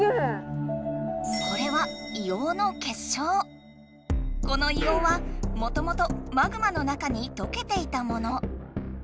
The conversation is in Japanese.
これはこの硫黄はもともとマグマの中にとけていたもの。